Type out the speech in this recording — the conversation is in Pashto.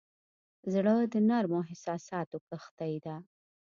زړه د نرمو احساساتو کښتۍ ده.